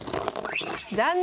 残念！